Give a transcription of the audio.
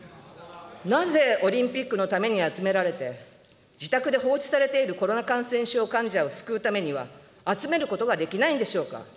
なぜオリンピックのために集められて、自宅で放置されているコロナ感染症患者を救うためには集めることができないんでしょうか。